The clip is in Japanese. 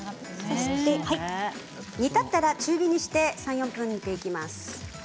煮立ったら中火にして３、４分煮ていきます。